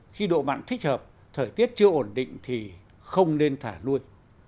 khi độ mặn thích hợp thời tiết chưa ổn định thì không nên thả nuôi